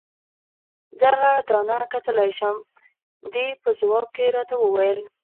دغه دانه کتلای شم؟ دې په ځواب کې راته وویل.